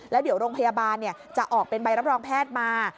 แล้วเดี๋ยวโรงพยาบาลจะออกเป็นใบรับรองแพทย์มา